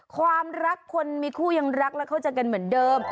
ความรักคนมีคู่ยังรักและเข้าใจกันเหมือนเดิม